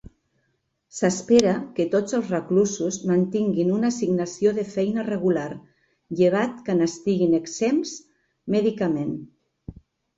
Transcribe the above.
S'espera que tots els reclusos mantinguin una assignació de feina regular, llevat que n'estiguin exempts mèdicament.